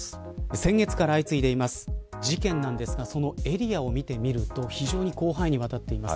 先月から相次いでいる事件なんですがそのエリアを見てみると非常に広範囲にわたっています。